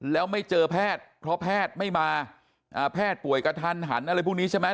แล้วไม่เจอแพทย์เพราะแพทย์ไม่มาแพทย์ป่วยกระทันหันอะไรพวกนี้ใช่ไหม